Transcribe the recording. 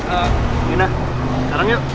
ehm nina sekarang yuk